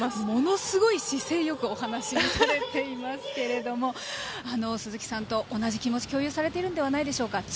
ものすごい姿勢よくお話されていますけど鈴木さんと同じ気持ちを共有されているんじゃないでしょうか